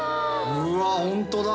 うわホントだ！